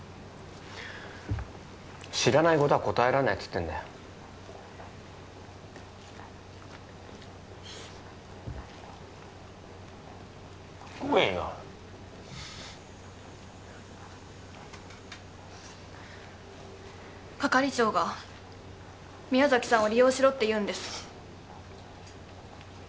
知らないことは答えられないっつってんだよ食えよ係長が宮崎さんを利用しろって言うんです